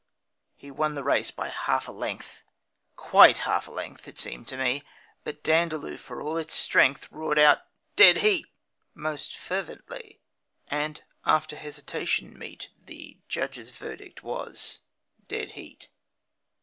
He won the race by half a length QUITE half a length, it seemed to me But Dandaloo, with all its strength, Roared out 'Dead heat!' most fervently; And, after hesitation meet, The judge's verdict was 'Dead heat!'